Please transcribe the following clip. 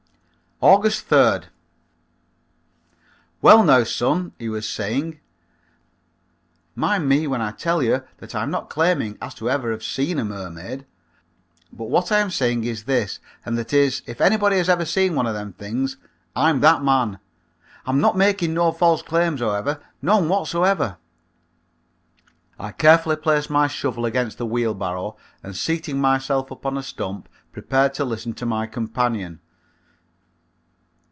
August 3d. "Well, now, son," he was saying, "mind me when I tell yer that I'm not claiming as to ever have seen a mermaid, but what I am saying is this and that is if anybody has ever seen one of them things I'm that man. I'm not making no false claims, however, none whatsoever." I carefully placed my shovel against the wheelbarrow and seating myself upon a stump prepared to listen to my companion.